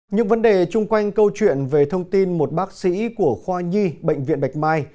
những vấn đề chung quanh câu chuyện về thông tin một bác sĩ của khoa nhi bệnh viện bạch mai